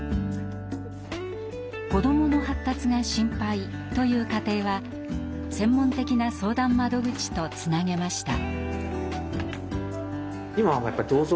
「子どもの発達が心配」という家庭は専門的な相談窓口とつなげました。